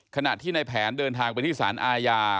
ขณะที่ในแผนเดินทางไปที่สารอาญา